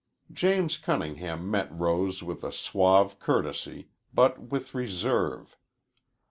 James Cunningham met Rose with a suave courtesy, but with reserve.